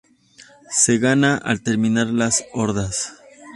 Se gana al terminar las hordas.